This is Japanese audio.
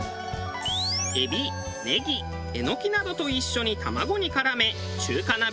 エビネギエノキなどと一緒に卵に絡め中華鍋に投入。